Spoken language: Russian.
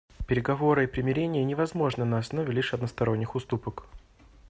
Переговоры и примирение невозможны на основе лишь односторонних уступок.